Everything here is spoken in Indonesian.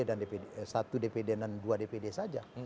dan dua dpd saja